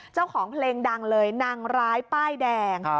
เจ้าของเพลงดังเลยนางร้ายป้ายแดง